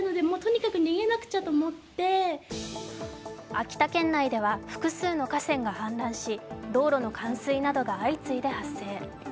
秋田県内では複数の河川が氾濫し、道路の冠水などが相次いで発生。